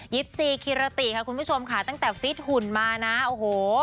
ซีคิรติค่ะคุณผู้ชมค่ะตั้งแต่ฟิตหุ่นมานะโอ้โห